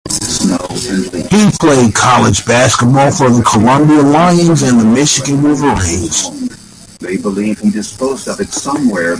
He played college basketball for the Columbia Lions and the Michigan Wolverines.